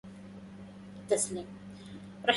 للناس حرص على الدنيا بتدبير